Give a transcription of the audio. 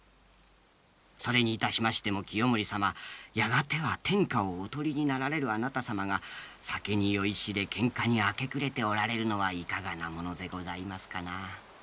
それにいたしましても清盛様やがては天下をお取りになられるあなた様が酒に酔いしれケンカに明け暮れておられるのはいかがなものでございますかな。